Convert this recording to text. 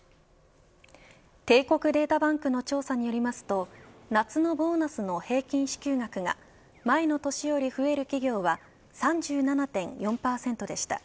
帝国データバンクの調査によりますと夏のボーナスの平均支給額が前の年より増える企業は３７．４％でした。